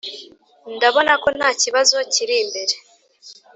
ndabona ko ntakibazo kiri imbere.